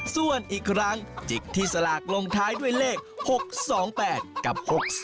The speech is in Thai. ส่วนอีกครั้งจิกที่สลากลงท้ายด้วยเลข๖๒๘กับ๖๒